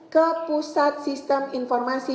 ke pusat sistem informasi